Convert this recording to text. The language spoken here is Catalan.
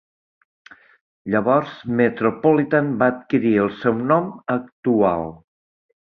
Llavors Metropolitan va adquirir el seu nom actual.